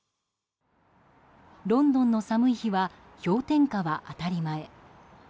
ロンドンの寒い日は氷点下は当たり前。